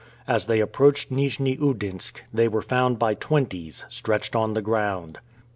As they approached Nijni Oudinsk, they were found by twenties, stretched on the ground.